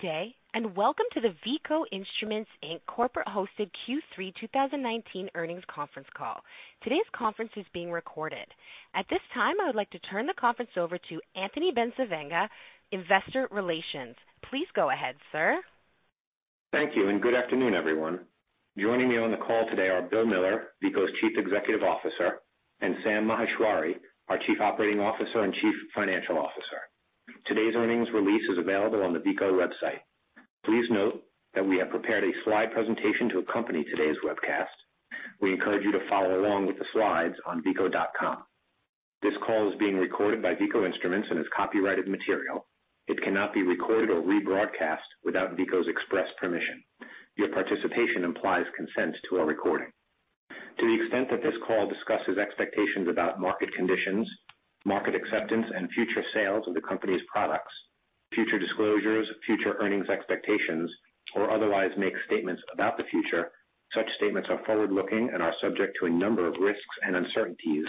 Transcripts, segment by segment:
Good day. Welcome to the Veeco Instruments Inc. corporate-hosted Q3 2019 earnings conference call. Today's conference is being recorded. At this time, I would like to turn the conference over to Anthony Bencivenga, investor relations. Please go ahead, sir. Thank you, and good afternoon, everyone. Joining me on the call today are William Miller, Veeco's Chief Executive Officer, and Shubham Maheshwari, our Chief Operating Officer and Chief Financial Officer. Today's earnings release is available on the Veeco website. Please note that we have prepared a slide presentation to accompany today's webcast. We encourage you to follow along with the slides on veeco.com. This call is being recorded by Veeco Instruments and is copyrighted material. It cannot be recorded or rebroadcast without Veeco's express permission. Your participation implies consent to our recording. To the extent that this call discusses expectations about market conditions, market acceptance, and future sales of the company's products, future disclosures, future earnings expectations, or otherwise makes statements about the future, such statements are forward-looking and are subject to a number of risks and uncertainties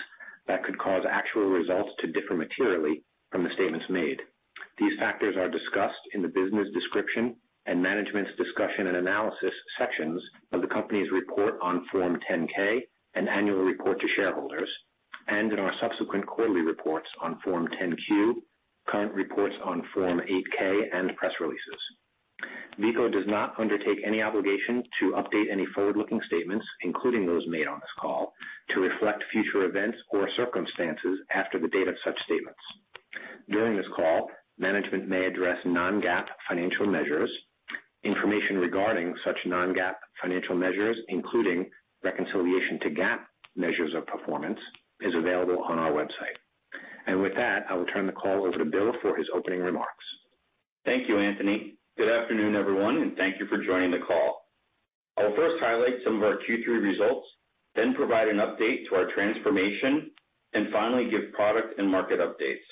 that could cause actual results to differ materially from the statements made. These factors are discussed in the Business Description and Management's Discussion and Analysis sections of the company's report on Form 10-K and annual report to shareholders, in our subsequent quarterly reports on Form 10-Q, current reports on Form 8-K, and press releases. Veeco does not undertake any obligation to update any forward-looking statements, including those made on this call, to reflect future events or circumstances after the date of such statements. During this call, management may address non-GAAP financial measures. Information regarding such non-GAAP financial measures, including reconciliation to GAAP measures of performance, is available on our website. With that, I will turn the call over to Bill for his opening remarks. Thank you, Anthony. Good afternoon, everyone, and thank you for joining the call. I will first highlight some of our Q3 results, then provide an update to our transformation, and finally give product and market updates.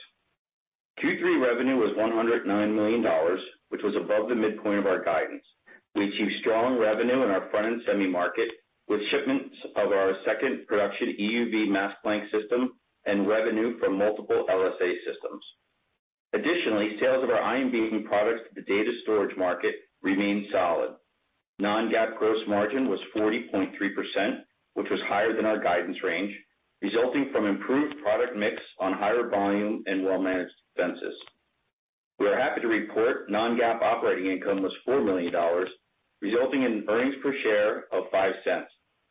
Q3 revenue was $109 million, which was above the midpoint of our guidance. We achieved strong revenue in our front-end semi market with shipments of our second production EUV mask blank system and revenue from multiple LSA systems. Additionally, sales of our ion beam products to the data storage market remained solid. Non-GAAP gross margin was 40.3%, which was higher than our guidance range, resulting from improved product mix on higher volume and well-managed expenses. We are happy to report non-GAAP operating income was $4 million, resulting in earnings per share of $0.05,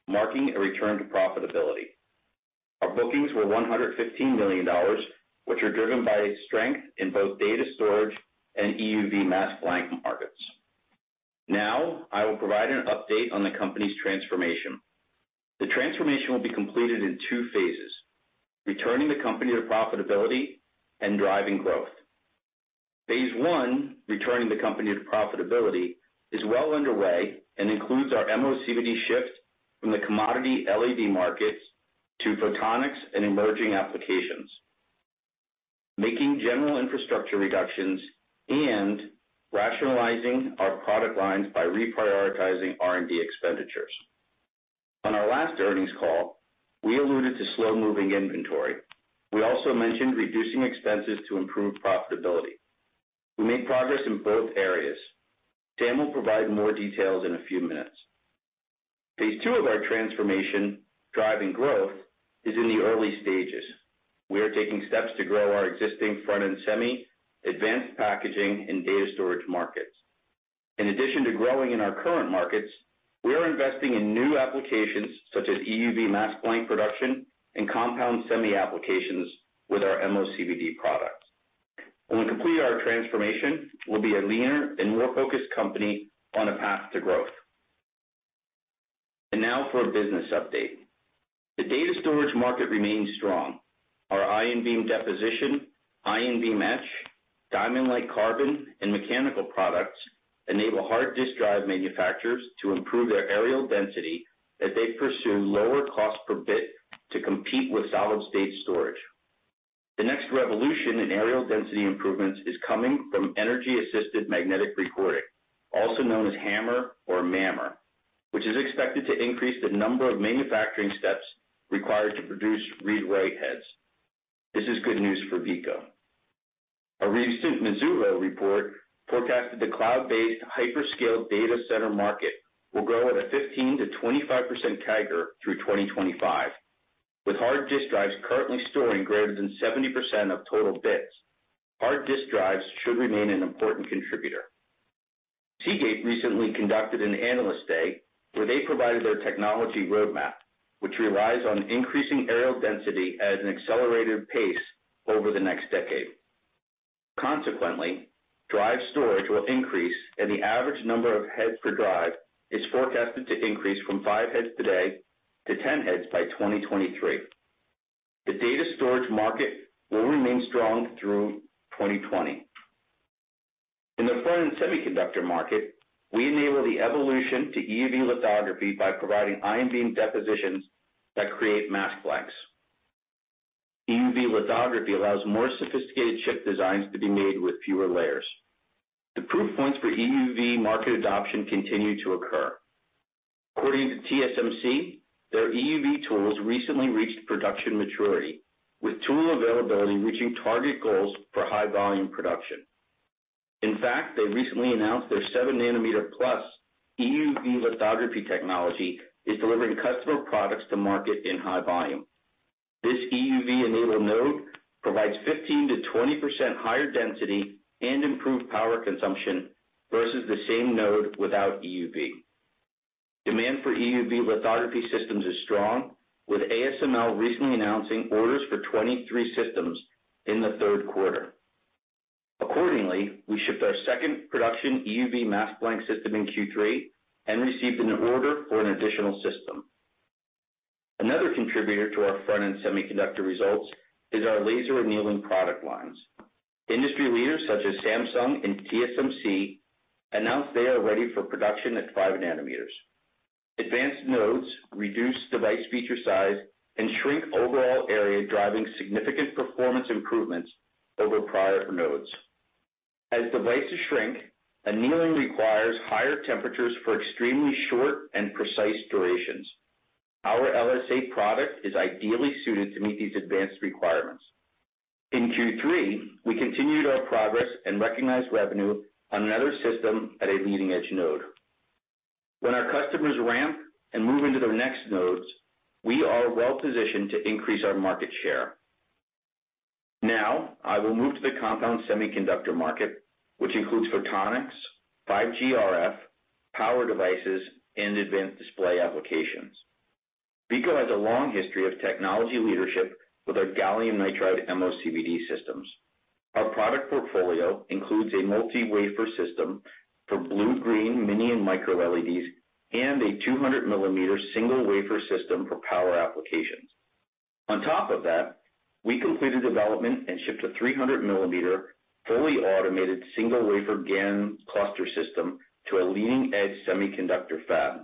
marking a return to profitability. Our bookings were $115 million, which are driven by strength in both data storage and EUV mask blank markets. Now, I will provide an update on the company's transformation. The transformation will be completed in two phases: returning the company to profitability and driving growth. Phase 1, returning the company to profitability, is well underway and includes our MOCVD shift from the commodity LED markets to photonics and emerging applications, making general infrastructure reductions, and rationalizing our product lines by reprioritizing R&D expenditures. On our last earnings call, we alluded to slow-moving inventory. We also mentioned reducing expenses to improve profitability. We made progress in both areas. Shubham will provide more details in a few minutes. Phase 2 of our transformation, driving growth, is in the early stages. We are taking steps to grow our existing front-end semi, advanced packaging, and data storage markets. In addition to growing in our current markets, we are investing in new applications such as EUV mask blank production and compound semi applications with our MOCVD products. When we complete our transformation, we'll be a leaner and more focused company on a path to growth. Now for a business update. The data storage market remains strong. Our ion beam deposition, ion beam etch, diamond-like carbon, and mechanical products enable hard disk drive manufacturers to improve their areal density as they pursue lower cost per bit to compete with solid-state storage. The next revolution in areal density improvements is coming from energy-assisted magnetic recording, also known as HAMR or MAMR, which is expected to increase the number of manufacturing steps required to produce read/write heads. This is good news for Veeco. A recent Mizuho report forecasted the cloud-based hyperscale data center market will grow at a 15%-25% CAGR through 2025. With hard disk drives currently storing greater than 70% of total bits, hard disk drives should remain an important contributor. Seagate recently conducted an Analyst Day where they provided their technology roadmap, which relies on increasing areal density at an accelerated pace over the next decade. Consequently, drive storage will increase, and the average number of heads per drive is forecasted to increase from five heads today to 10 heads by 2023. The data storage market will remain strong through 2020. In the front-end semiconductor market, we enable the evolution to EUV lithography by providing ion beam depositions that create mask blanks. EUV lithography allows more sophisticated chip designs to be made with fewer layers. The proof points for EUV market adoption continue to occur. According to TSMC, their EUV tools recently reached production maturity, with tool availability reaching target goals for high-volume production. In fact, they recently announced their 7 nanometer plus EUV lithography technology is delivering customer products to market in high volume. This EUV-enabled node provides 15%-20% higher density and improved power consumption versus the same node without EUV. Demand for EUV lithography systems is strong, with ASML recently announcing orders for 23 systems in the third quarter. Accordingly, we shipped our second production EUV mask blank system in Q3 and received an order for an additional system. Another contributor to our front-end semiconductor results is our laser annealing product lines. Industry leaders such as Samsung and TSMC announced they are ready for production at 5 nanometers. Advanced nodes reduce device feature size and shrink overall area, driving significant performance improvements over prior nodes. As devices shrink, annealing requires higher temperatures for extremely short and precise durations. Our LSA product is ideally suited to meet these advanced requirements. In Q3, we continued our progress and recognized revenue on another system at a leading-edge node. When our customers ramp and move into their next nodes, we are well-positioned to increase our market share. Now, I will move to the compound semiconductor market, which includes photonics, 5G RF, power devices, and advanced display applications. Veeco has a long history of technology leadership with our gallium nitride MOCVD systems. Our product portfolio includes a multi-wafer system for blue, green, mini- and micro-LEDs, and a 200 millimeter single wafer system for power applications. On top of that, we completed development and shipped a 300 millimeter fully automated single wafer GaN cluster system to a leading-edge semiconductor fab.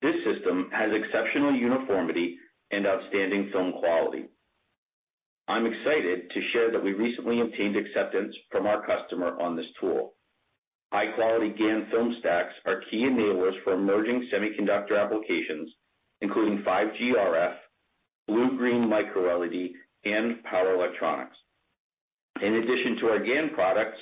This system has exceptional uniformity and outstanding film quality. I'm excited to share that we recently obtained acceptance from our customer on this tool. High-quality GaN film stacks are key enablers for emerging semiconductor applications, including 5G RF, blue-green micro-LED, and power electronics. In addition to our GaN products,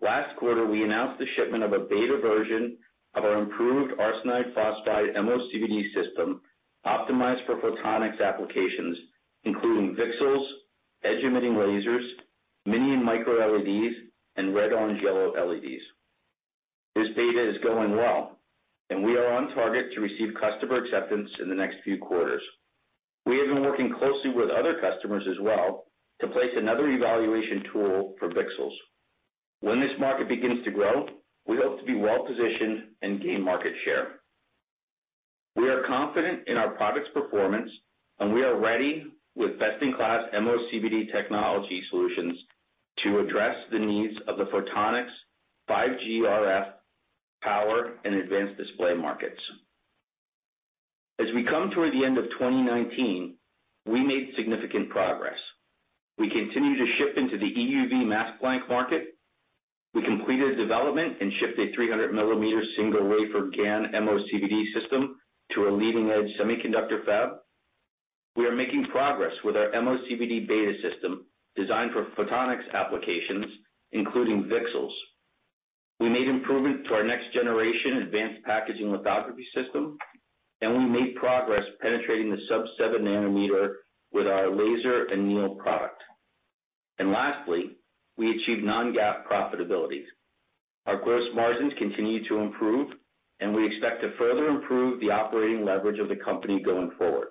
last quarter, we announced the shipment of a beta version of our improved arsenide phosphide MOCVD system optimized for photonics applications, including VCSELs, edge-emitting lasers, mini-LEDs and micro-LEDs, and red, orange, yellow LEDs. This beta is going well, and we are on target to receive customer acceptance in the next few quarters. We have been working closely with other customers as well to place another evaluation tool for VCSELs. When this market begins to grow, we hope to be well-positioned and gain market share. We are confident in our product's performance, and we are ready with best-in-class MOCVD technology solutions to address the needs of the photonics, 5G RF, power, and advanced display markets. As we come toward the end of 2019, we made significant progress. We continue to ship into the EUV mask blank market. We completed development and shipped a 300 millimeter single wafer GaN MOCVD system to a leading-edge semiconductor fab. We are making progress with our MOCVD beta system designed for photonics applications, including VCSELs. We made improvements to our next-generation advanced packaging lithography system, and we made progress penetrating the sub-seven nanometer with our laser anneal product. Lastly, we achieved non-GAAP profitability. Our gross margins continue to improve, and we expect to further improve the operating leverage of the company going forward.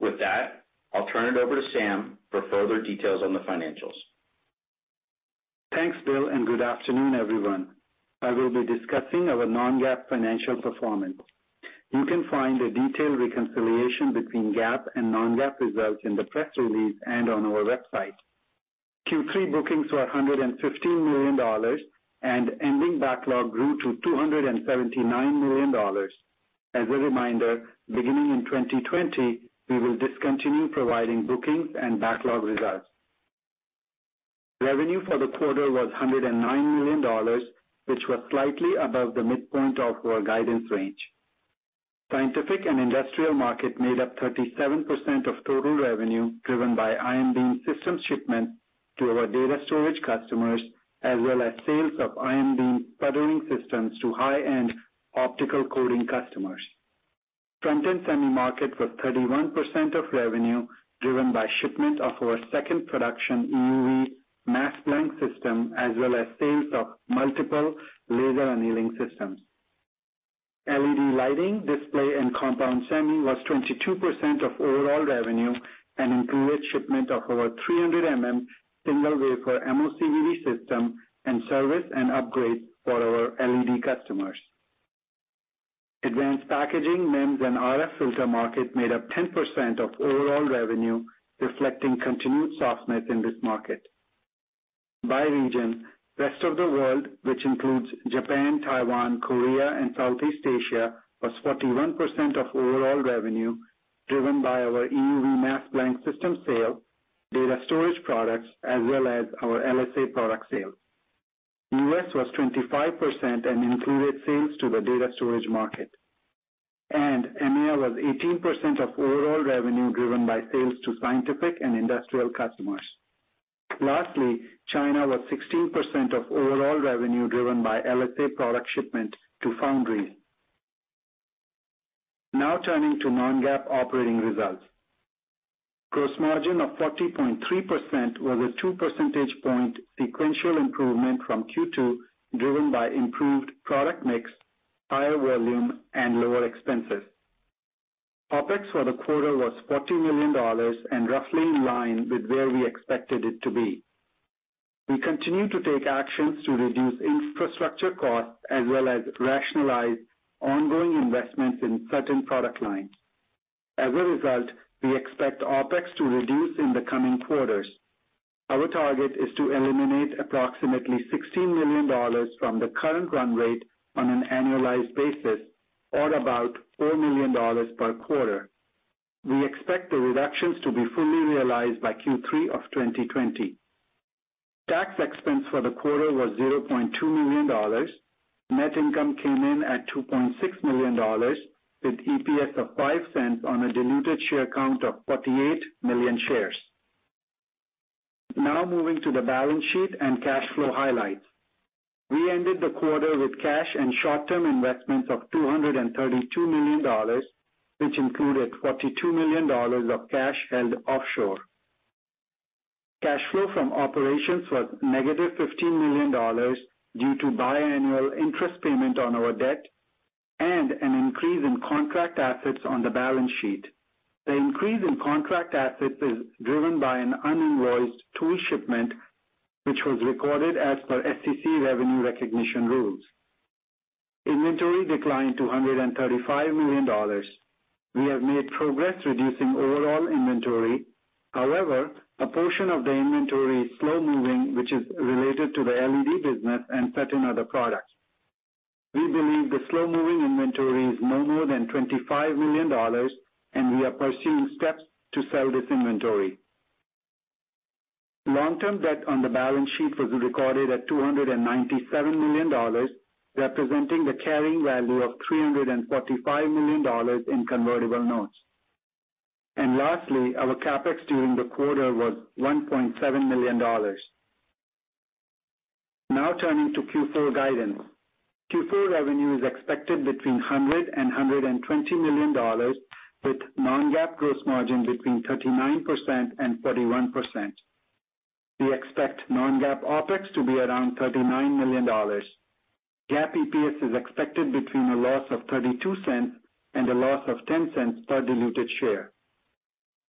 With that, I'll turn it over to Sam for further details on the financials. Thanks, Bill. Good afternoon, everyone. I will be discussing our non-GAAP financial performance. You can find a detailed reconciliation between GAAP and non-GAAP results in the press release and on our website. Q3 bookings were $115 million, and ending backlog grew to $279 million. As a reminder, beginning in 2020, we will discontinue providing bookings and backlog results. Revenue for the quarter was $109 million, which was slightly above the midpoint of our guidance range. Scientific and industrial market made up 37% of total revenue, driven by ion beam systems shipment to our data storage customers, as well as sales of ion beam sputtering systems to high-end optical coating customers. Front-end semi market was 31% of revenue, driven by shipment of our second production EUV mask blank system, as well as sales of multiple laser annealing systems. LED lighting, display, and compound semi was 22% of overall revenue, and improved shipment of our 300mm single wafer MOCVD system, and service and upgrades for our LED customers. Advanced packaging, MEMS, and RF filter market made up 10% of overall revenue, reflecting continued softness in this market. By region, rest of the world, which includes Japan, Taiwan, Korea, and Southeast Asia, was 41% of overall revenue, driven by our EUV mask blank system sale, data storage products, as well as our LSA product sale. U.S. was 25% and included sales to the data storage market, and EMEA was 18% of overall revenue driven by sales to scientific and industrial customers. Lastly, China was 16% of overall revenue driven by LSA product shipment to foundries. Now turning to non-GAAP operating results. Gross margin of 40.3% was a two percentage point sequential improvement from Q2, driven by improved product mix, higher volume, and lower expenses. OPEX for the quarter was $40 million and roughly in line with where we expected it to be. We continue to take actions to reduce infrastructure costs as well as rationalize ongoing investments in certain product lines. As a result, we expect OPEX to reduce in the coming quarters. Our target is to eliminate approximately $16 million from the current run rate on an annualized basis, or about $4 million per quarter. We expect the reductions to be fully realized by Q3 of 2020. Tax expense for the quarter was $0.2 million. Net income came in at $2.6 million, with EPS of $0.05 on a diluted share count of 48 million shares. Moving to the balance sheet and cash flow highlights. We ended the quarter with cash and short-term investments of $232 million, which included $42 million of cash held offshore. Cash flow from operations was negative $15 million due to biannual interest payment on our debt and an increase in contract assets on the balance sheet. The increase in contract assets is driven by an uninvoiced tool shipment, which was recorded as per SEC revenue recognition rules. Inventory declined to $135 million. We have made progress reducing overall inventory. However, a portion of the inventory is slow-moving, which is related to the LED business and certain other products. We believe the slow-moving inventory is no more than $25 million, and we are pursuing steps to sell this inventory. Long-term debt on the balance sheet was recorded at $297 million, representing the carrying value of $345 million in convertible notes. Lastly, our CapEx during the quarter was $1.7 million. Turning to Q4 guidance. Q4 revenue is expected between $100 million and $120 million, with non-GAAP gross margin between 39%-41%. We expect non-GAAP OPEX to be around $39 million. GAAP EPS is expected between a loss of $0.32 and a loss of $0.10 per diluted share.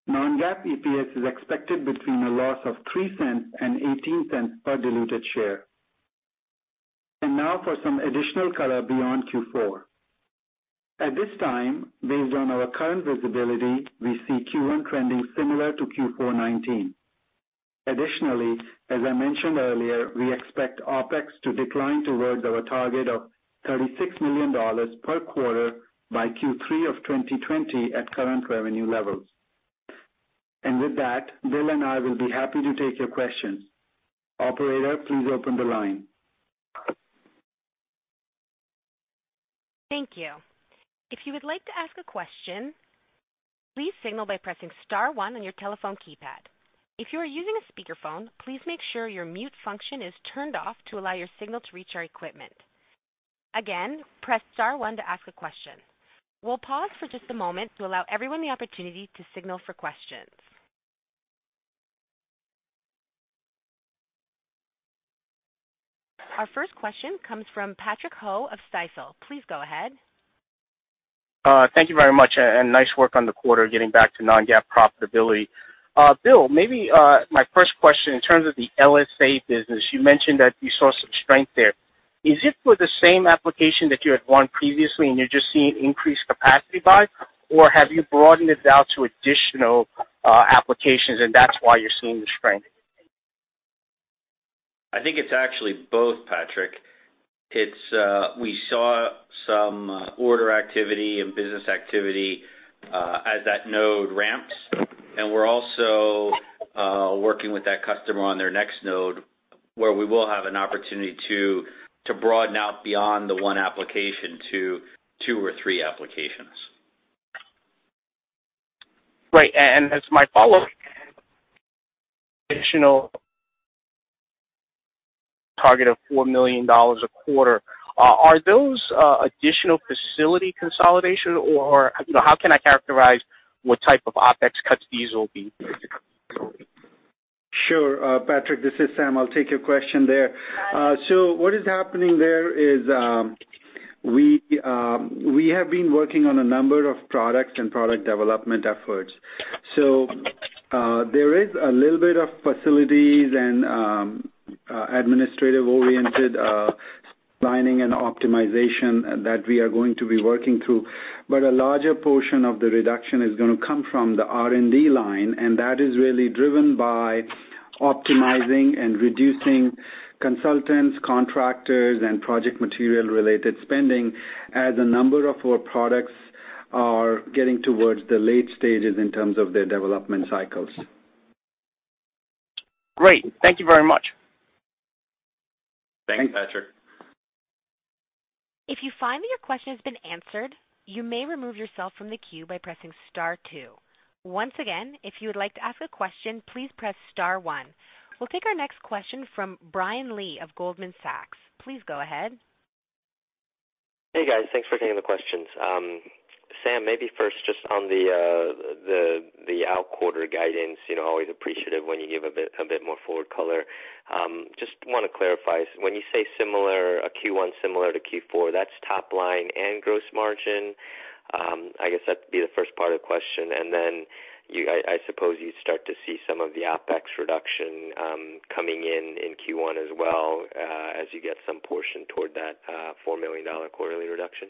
Non-GAAP EPS is expected between a loss of $0.03 and $0.18 per diluted share. Now for some additional color beyond Q4. At this time, based on our current visibility, we see Q1 trending similar to Q4 2019. Additionally, as I mentioned earlier, we expect OPEX to decline towards our target of $36 million per quarter by Q3 of 2020 at current revenue levels. With that, Bill and I will be happy to take your questions. Operator, please open the line. Thank you. If you would like to ask a question, please signal by pressing star one on your telephone keypad. If you are using a speakerphone, please make sure your mute function is turned off to allow your signal to reach our equipment. Again, press star one to ask a question. We'll pause for just a moment to allow everyone the opportunity to signal for questions. Our first question comes from Patrick Ho of Stifel. Please go ahead. Thank you very much, and nice work on the quarter, getting back to non-GAAP profitability. Bill, maybe my first question, in terms of the LSA business, you mentioned that you saw some strength there. Is it with the same application that you had won previously and you're just seeing increased capacity buy, or have you broadened it out to additional applications and that's why you're seeing the strength? I think it's actually both, Patrick. We saw some order activity and business activity as that node ramps, and we're also working with that customer on their next node, where we will have an opportunity to broaden out beyond the one application to two or three applications. Right. As my follow-up, additional target of $4 million a quarter. Are those additional facility consolidation, or how can I characterize what type of OPEX cuts these will be? Sure. Patrick, this is Sam. I'll take your question there. What is happening there is we have been working on a number of products and product development efforts. There is a little bit of facilities and administrative-oriented planning and optimization that we are going to be working through, but a larger portion of the reduction is going to come from the R&D line, and that is really driven by optimizing and reducing consultants, contractors, and project material related spending as a number of our products are getting towards the late stages in terms of their development cycles. Great. Thank you very much. Thanks, Patrick. If you find that your question has been answered, you may remove yourself from the queue by pressing star two. Once again, if you would like to ask a question, please press star one. We'll take our next question from Brian Lee of Goldman Sachs. Please go ahead. Hey, guys. Thanks for taking the questions. Sam, maybe first just on the outquarter guidance, always appreciative when you give a bit more forward color. Just want to clarify. When you say Q1 similar to Q4, that's top line and gross margin? I guess that'd be the first part of the question, I suppose you start to see some of the OPEX reduction coming in in Q1 as well, as you get some portion toward that $4 million quarterly reduction?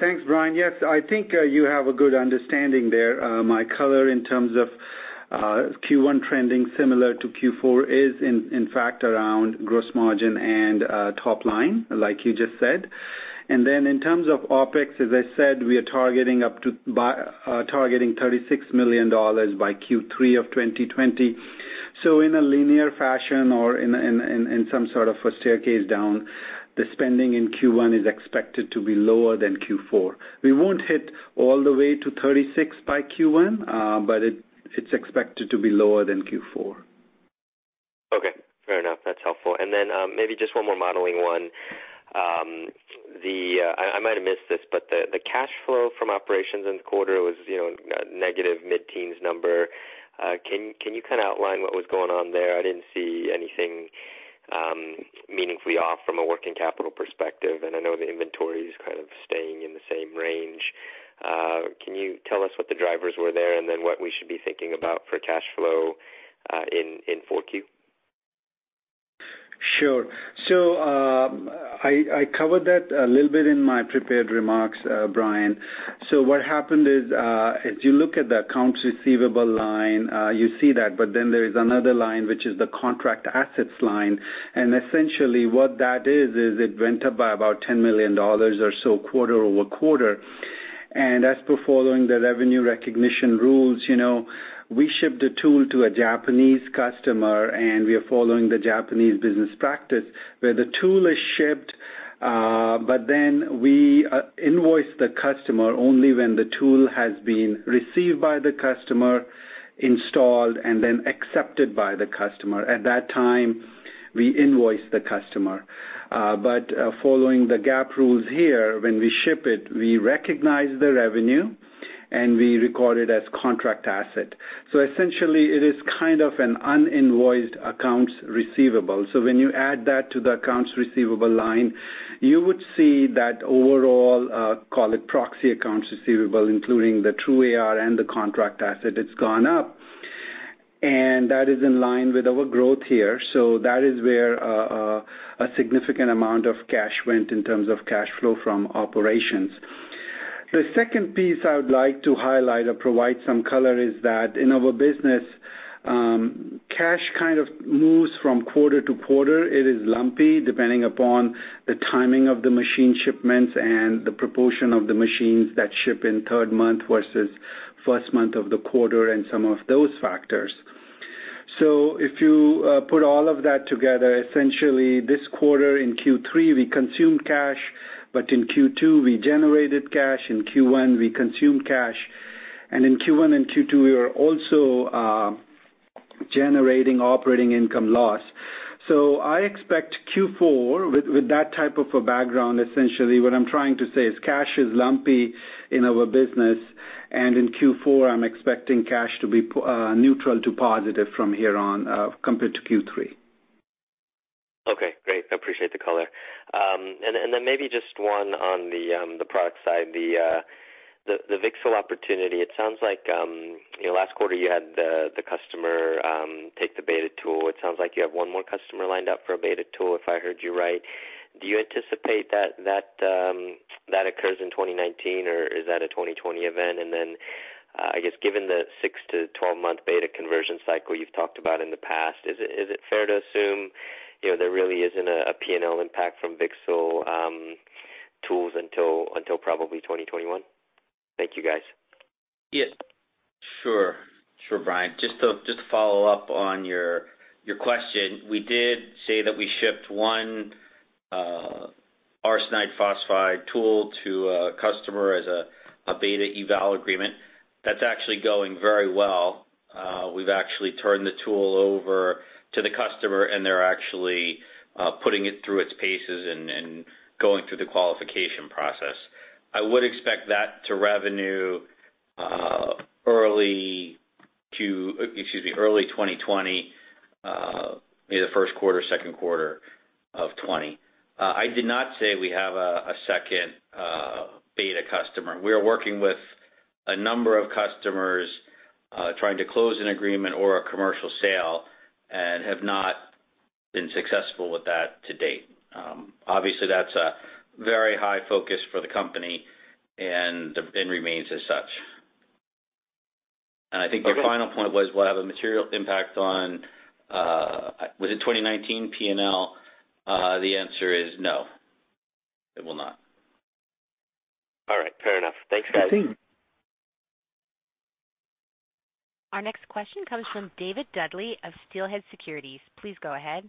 Thanks, Brian. Yes, I think you have a good understanding there. My color in terms of Q1 trending similar to Q4 is, in fact, around gross margin and top line, like you just said. In terms of OpEx, as I said, we are targeting $36 million by Q3 of 2020. In a linear fashion or in some sort of a staircase down, the spending in Q1 is expected to be lower than Q4. We won't hit all the way to 36 by Q1, but it's expected to be lower than Q4. Okay. Fair enough. That's helpful. Then maybe just one more modeling one. I might have missed this, the cash flow from operations in the quarter was a negative mid-teens number. Can you kind of outline what was going on there? I didn't see anything meaningfully off from a working capital perspective, I know the inventory's kind of staying in the same range. Can you tell us what the drivers were there, what we should be thinking about for cash flow in 4Q? Sure. I covered that a little bit in my prepared remarks, Brian. What happened is, if you look at the accounts receivable line, you see that, but then there is another line, which is the contract assets line. Essentially what that is it went up by about $10 million or so quarter-over-quarter. As per following the revenue recognition rules, we shipped a tool to a Japanese customer, and we are following the Japanese business practice where the tool is shipped, but then we invoice the customer only when the tool has been received by the customer, installed, and then accepted by the customer. At that time, we invoice the customer. Following the GAAP rules here, when we ship it, we recognize the revenue, and we record it as contract asset. Essentially it is kind of an uninvoiced accounts receivable. When you add that to the accounts receivable line, you would see that overall, call it proxy accounts receivable, including the true AR and the contract asset, it's gone up. That is in line with our growth here, so that is where a significant amount of cash went in terms of cash flow from operations. The second piece I would like to highlight or provide some color is that in our business, cash kind of moves from quarter to quarter. It is lumpy depending upon the timing of the machine shipments and the proportion of the machines that ship in third month versus first month of the quarter and some of those factors. If you put all of that together, essentially this quarter in Q3, we consumed cash, but in Q2, we generated cash. In Q1, we consumed cash, and in Q1 and Q2, we were also generating operating income loss. I expect Q4 with that type of a background, essentially what I'm trying to say is cash is lumpy in our business, and in Q4, I'm expecting cash to be neutral to positive from here on, compared to Q3. Okay, great. I appreciate the color. Maybe just one on the product side, the VCSEL opportunity. Last quarter you had the customer take the beta tool. It sounds like you have one more customer lined up for a beta tool if I heard you right. Do you anticipate that occurs in 2019, or is that a 2020 event? I guess given the 6-12 month beta conversion cycle you've talked about in the past, is it fair to assume there really isn't a P&L impact from VCSEL tools until probably 2021? Thank you, guys. Yeah. Sure, Brian. Just to follow up on your question, we did say that we shipped one arsenide phosphide tool to a customer as a beta eval agreement. That's actually going very well. We've actually turned the tool over to the customer, and they're actually putting it through its paces and going through the qualification process. I would expect that to revenue early 2020, maybe the first quarter, second quarter of '20. I did not say we have a second beta customer. We are working with a number of customers, trying to close an agreement or a commercial sale, and have not been successful with that to date. Obviously, that's a very high focus for the company and remains as such. I think your final point was, will it have a material impact on, was it 2019 P&L? The answer is. All right. Fair enough. Thanks, guys. Continue. Our next question comes from David Duley of Steelhead Securities. Please go ahead.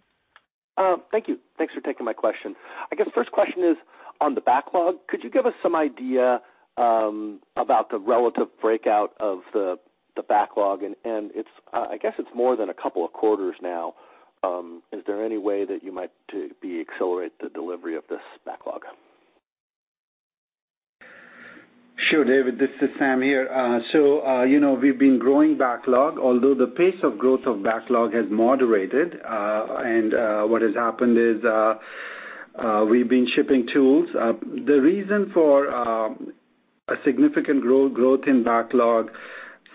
Thank you. Thanks for taking my question. I guess first question is on the backlog. Could you give us some idea about the relative breakout of the backlog, and I guess it's more than a couple of quarters now. Is there any way that you might de-accelerate the delivery of this backlog? Sure, David. This is Sam here. We've been growing backlog, although the pace of growth of backlog has moderated. What has happened is, we've been shipping tools. The reason for a significant growth in backlog,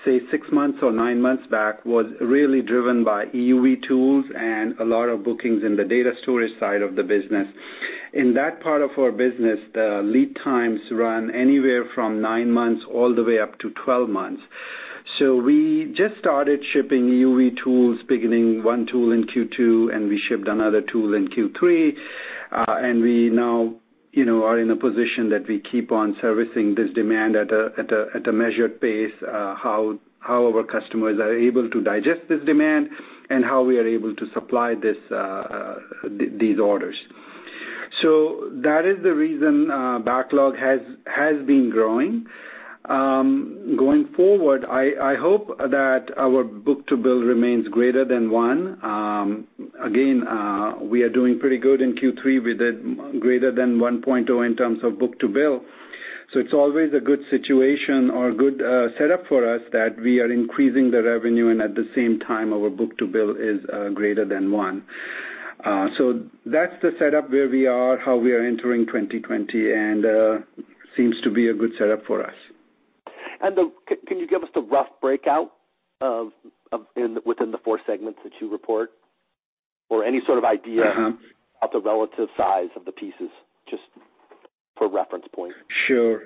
say 6 months or 9 months back, was really driven by EUV tools and a lot of bookings in the data storage side of the business. In that part of our business, the lead times run anywhere from 9 months all the way up to 12 months. We just started shipping EUV tools, beginning one tool in Q2, and we shipped another tool in Q3. We now are in a position that we keep on servicing this demand at a measured pace, how our customers are able to digest this demand and how we are able to supply these orders. That is the reason backlog has been growing. Going forward, I hope that our book-to-bill remains greater than one. Again, we are doing pretty good in Q3. We did greater than 1.0 in terms of book-to-bill. It's always a good situation or good setup for us that we are increasing the revenue and at the same time our book-to-bill is greater than one. That's the setup where we are, how we are entering 2020, and seems to be a good setup for us. Can you give us the rough breakout within the four segments that you report, or any sort of idea? of the relative size of the pieces, just for reference point. Sure.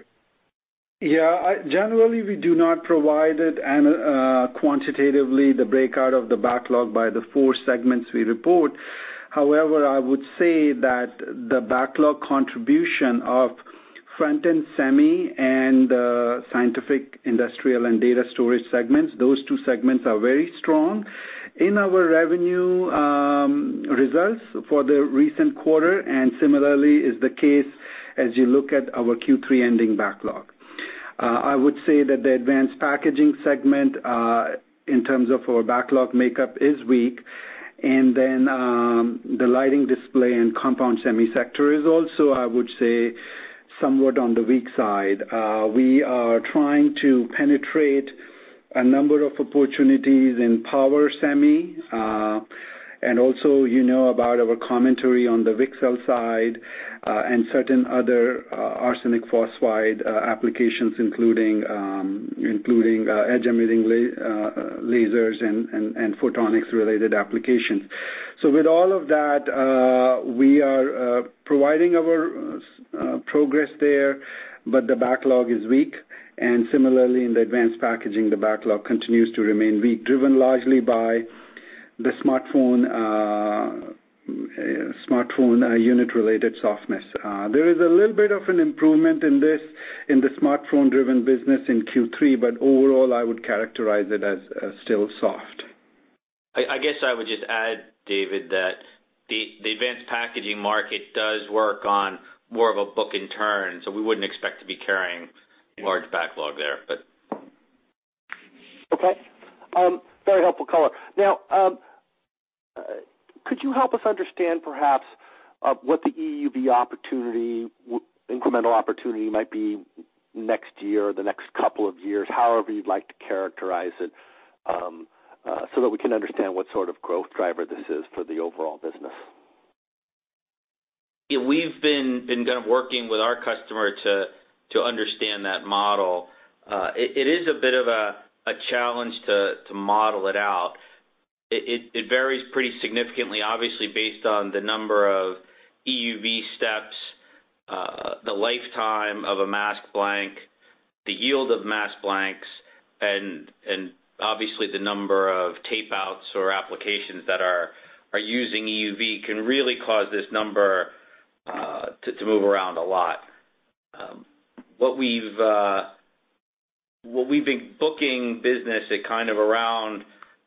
Yeah, generally, we do not provide it quantitatively, the breakout of the backlog by the four segments we report. However, I would say that the backlog contribution of front-end semi and scientific, industrial, and data storage segments, those two segments are very strong in our revenue results for the recent quarter, and similarly is the case as you look at our Q3 ending backlog. I would say that the advanced packaging segment, in terms of our backlog makeup, is weak. The lighting display and compound semi sector is also, I would say, somewhat on the weak side. We are trying to penetrate a number of opportunities in power semi. You know about our commentary on the VCSEL side, and certain other arsenide phosphide applications, including edge-emitting lasers and photonics-related applications. With all of that, we are providing our progress there, but the backlog is weak, and similarly in the advanced packaging, the backlog continues to remain weak, driven largely by the smartphone unit-related softness. There is a little bit of an improvement in the smartphone-driven business in Q3, but overall, I would characterize it as still soft. I guess I would just add, David, that the advanced packaging market does work on more of a book in turn, so we wouldn't expect to be carrying large backlog there. Okay. Very helpful color. Could you help us understand perhaps what the EUV incremental opportunity might be next year or the next couple of years, however you'd like to characterize it, so that we can understand what sort of growth driver this is for the overall business? Yeah. We've been kind of working with our customer to understand that model. It is a bit of a challenge to model it out. It varies pretty significantly, obviously, based on the number of EUV steps, the lifetime of a mask blank, the yield of mask blanks, and obviously the number of tape-outs or applications that are using EUV can really cause this number to move around a lot. What we've been booking business at kind of around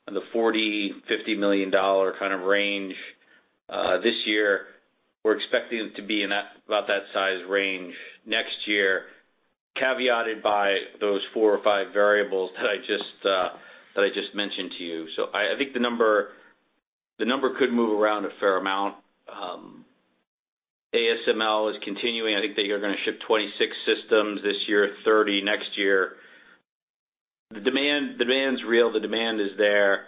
the $40, $50 million kind of range. This year, we're expecting it to be in about that size range next year, caveated by those four or five variables that I just mentioned to you. I think the number could move around a fair amount. ASML is continuing. I think they are going to ship 26 systems this year, 30 next year. The demand's real. The demand is there.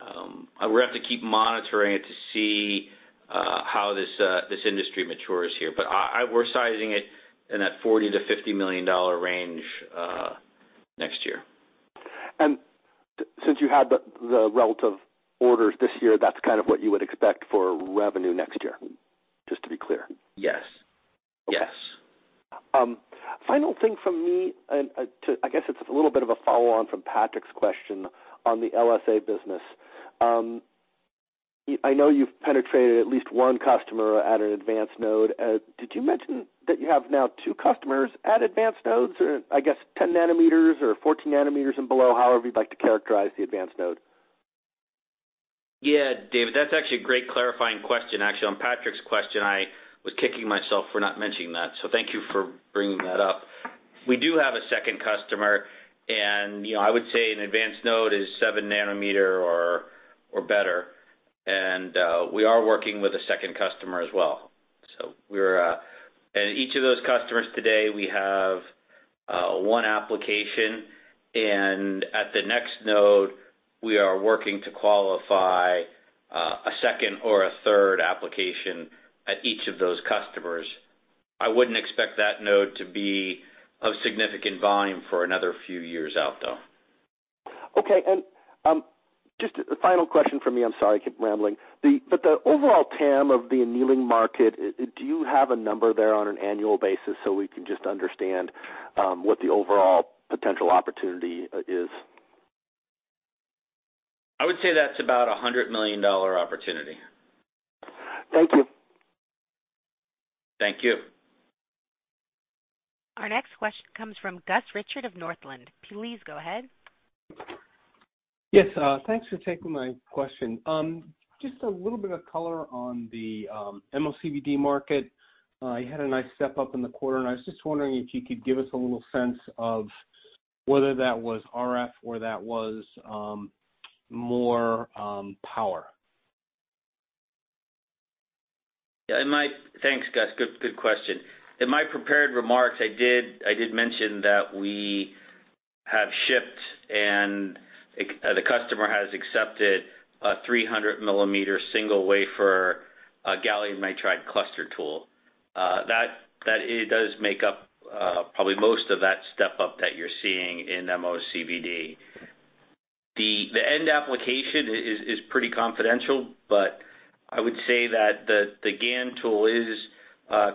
We're going to have to keep monitoring it to see how this industry matures here. We're sizing it in that $40 million-$50 million range next year. Since you had the relative orders this year, that's kind of what you would expect for revenue next year, just to be clear? Yes. Okay. Yes. Final thing from me, I guess it's a little bit of a follow-on from Patrick's question on the LSA business. I know you've penetrated at least one customer at an advanced node. Did you mention that you have now two customers at advanced nodes, or I guess 10 nanometers or 14 nanometers and below, however you'd like to characterize the advanced node? Yeah, David, that's actually a great clarifying question. Actually, on Patrick's question, I was kicking myself for not mentioning that, so thank you for bringing that up. We do have a second customer, and I would say an advanced node is seven nanometer or better. We are working with a second customer as well. Each of those customers today, we have one application. At the next node, we are working to qualify a second or a third application at each of those customers. I wouldn't expect that node to be of significant volume for another few years out, though. Okay. Just a final question from me. I'm sorry I keep rambling. The overall TAM of the annealing market, do you have a number there on an annual basis so we can just understand what the overall potential opportunity is? I would say that's about $100 million opportunity. Thank you. Thank you. Our next question comes from Gus Richard of Northland. Please go ahead. Yes. Thanks for taking my question. Just a little bit of color on the MOCVD market. You had a nice step-up in the quarter, and I was just wondering if you could give us a little sense of whether that was RF or that was more power. Thanks, Gus. Good question. In my prepared remarks, I did mention that we have shipped, and the customer has accepted a 300 millimeter single wafer, a gallium nitride cluster tool. That does make up probably most of that step-up that you're seeing in MOCVD. The end application is pretty confidential, but I would say that the GaN tool is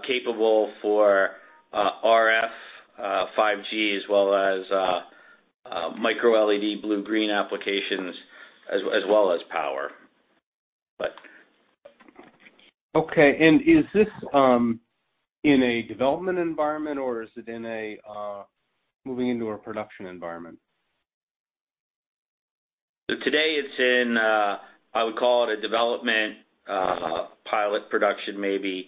capable for RF 5G, as well as micro-LED blue-green applications, as well as power. Okay. Is this in a development environment, or is it moving into a production environment? Today it's in a, I would call it a development pilot production, maybe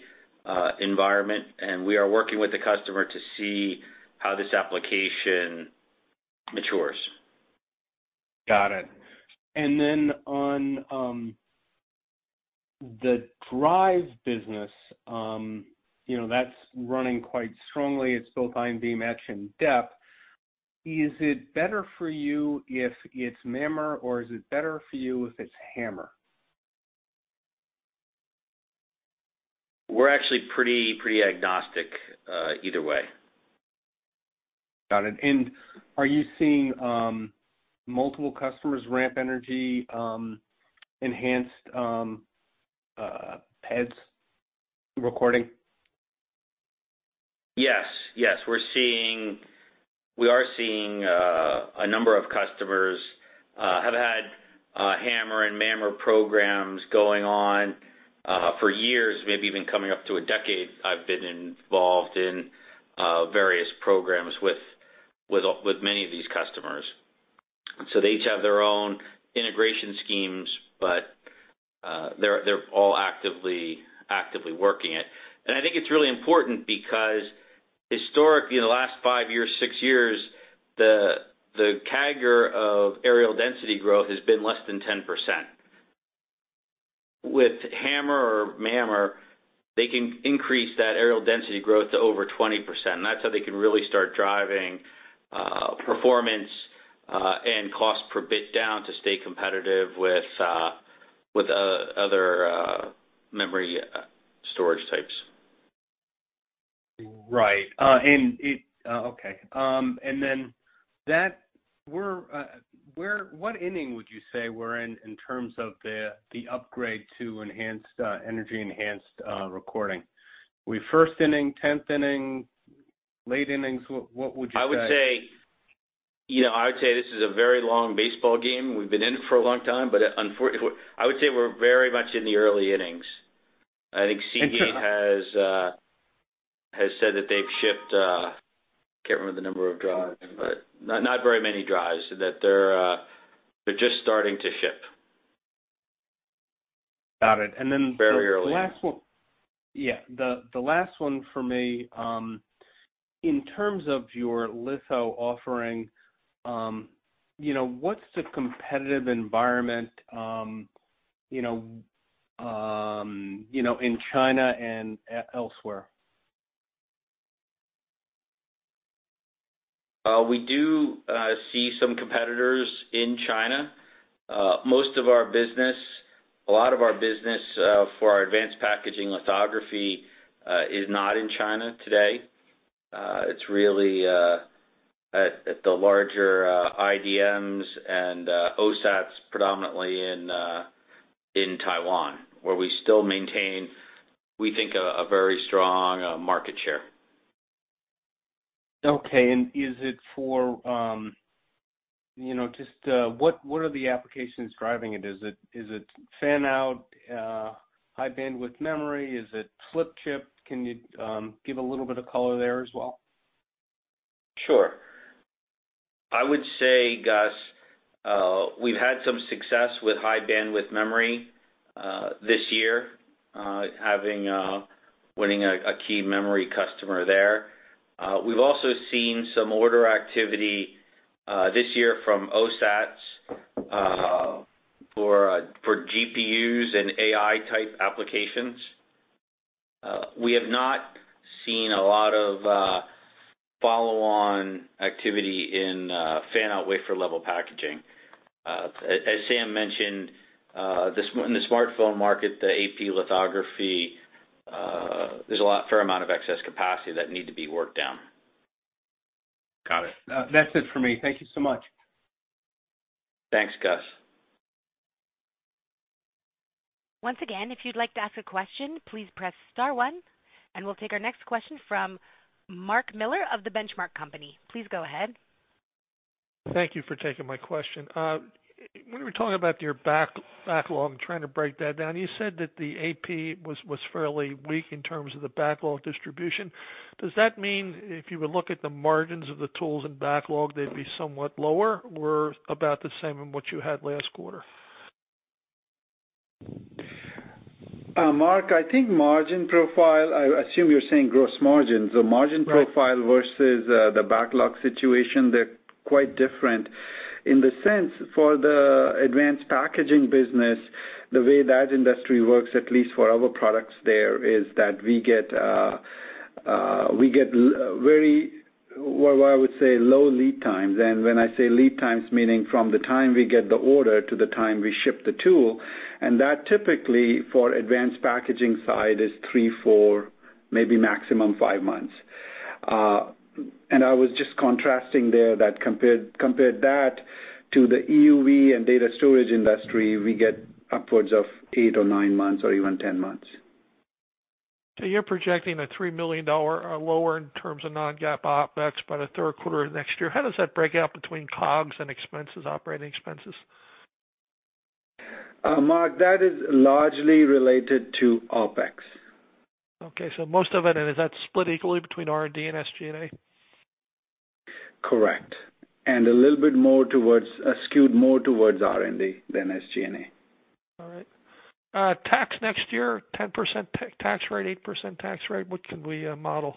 environment. We are working with the customer to see how this application matures. Got it. On the drives business, that's running quite strongly. It's both IBD match and depth. Is it better for you if it's MAMR or is it better for you if it's HAMR? We're actually pretty agnostic either way. Got it. Are you seeing multiple customers ramp energy enhanced heads recording? Yes. We are seeing a number of customers have had HAMR and MAMR programs going on for years. Maybe even coming up to a decade, I've been involved in various programs with many of these customers. They each have their own integration schemes, but they're all actively working it. I think it's really important because historically, in the last five years, six years, the CAGR of areal density growth has been less than 10%. With HAMR or MAMR, they can increase that areal density growth to over 20%, that's how they can really start driving performance and cost per bit down to stay competitive with other memory storage types. Right. Okay. What inning would you say we're in terms of the upgrade to enhanced energy enhanced recording? Are we first inning, 10th inning, late innings? What would you say? I would say this is a very long baseball game. We've been in it for a long time, but I would say we're very much in the early innings. I think Seagate has said that they've shipped, I can't remember the number of drives, but not very many drives, that they're just starting to ship. Got it. Then- Very early. the last one. Yeah. The last one for me, in terms of your litho offering, what's the competitive environment in China and elsewhere? We do see some competitors in China. Most of our business, a lot of our business for our advanced packaging lithography, is not in China today. It's really at the larger IDMs and OSATs predominantly in Taiwan, where we still maintain, we think, a very strong market share. Okay. What are the applications driving it? Is it fan-out high bandwidth memory? Is it flip chip? Can you give a little bit of color there as well? Sure. I would say, Gus, we've had some success with high bandwidth memory this year, winning a key memory customer there. We've also seen some order activity this year from OSATs for GPUs and AI-type applications. We have not seen a lot of follow-on activity in fan-out wafer level packaging. As Sam mentioned, in the smartphone market, the AP lithography, there's a fair amount of excess capacity that need to be worked down. Got it. That's it for me. Thank you so much. Thanks, Gus. Once again, if you'd like to ask a question, please press star one, we'll take our next question from Mark Miller of The Benchmark Company. Please go ahead. Thank you for taking my question. When we were talking about your backlog and trying to break that down, you said that the AP was fairly weak in terms of the backlog distribution. Does that mean if you would look at the margins of the tools and backlog, they'd be somewhat lower or about the same in what you had last quarter? Mark, I think margin profile, I assume you're saying gross margins. Right. The margin profile versus the backlog situation, they're quite different. In the sense, for the advanced packaging business, the way that industry works, at least for our products there, is that we get what I would say low lead times. When I say lead times, meaning from the time we get the order to the time we ship the tool, and that typically for advanced packaging side is three, four, maybe maximum five months. I was just contrasting there that compared that to the EUV and data storage industry, we get upwards of eight or nine months, or even 10 months. You're projecting a $3 million lower in terms of non-GAAP OpEx by the third quarter of next year. How does that break out between COGS and operating expenses? Mark, that is largely related to OpEx. Okay, most of it, is that split equally between R&D and SG&A? Correct. A little bit skewed more towards R&D than SG&A. All right. Tax next year, 10% tax rate, 8% tax rate. What can we model?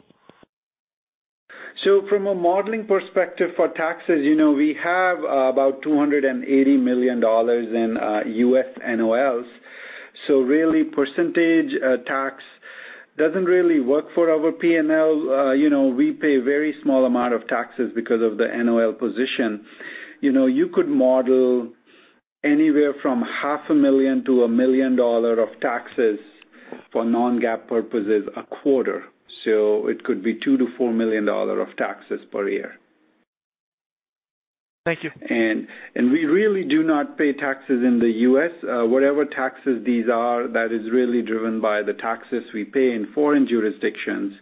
From a modeling perspective for taxes, we have about $280 million in U.S. NOLs. Really percentage tax doesn't really work for our P&L. We pay very small amount of taxes because of the NOL position. You could model anywhere from $0.5 million to $1 million of taxes for non-GAAP purposes a quarter. It could be $2 million-$4 million of taxes per year. Thank you. We really do not pay taxes in the U.S. Whatever taxes these are, that is really driven by the taxes we pay in foreign jurisdictions,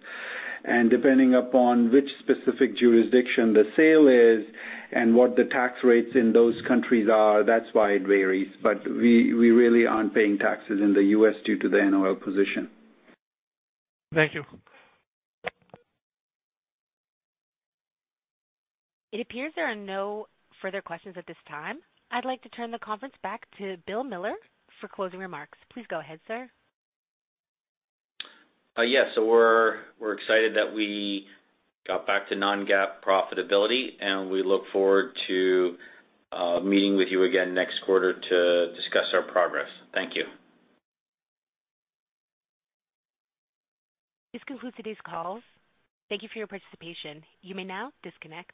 and depending upon which specific jurisdiction the sale is and what the tax rates in those countries are, that's why it varies. We really aren't paying taxes in the U.S. due to the NOL position. Thank you. It appears there are no further questions at this time. I'd like to turn the conference back to William Miller for closing remarks. Please go ahead, sir. Yes. We're excited that we got back to non-GAAP profitability, and we look forward to meeting with you again next quarter to discuss our progress. Thank you. This concludes today's call. Thank you for your participation. You may now disconnect.